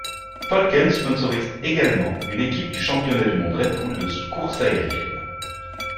Falken sponsorise également une équipe du championnat du monde Red Bull de course aérienne.